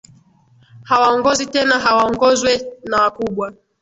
hawaongozi tena hawaongozwe na wakubwa